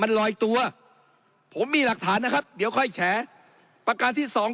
มันลอยตัวผมมีหลักฐานนะครับเดี๋ยวค่อยแฉประการที่สอง